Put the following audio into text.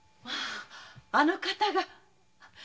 あの方が。